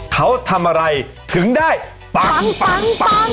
เขาทำอะไรถึงได้ปังปัง